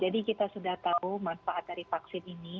jadi kita sudah tahu manfaat dari vaksin ini